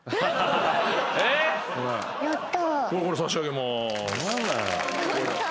やった！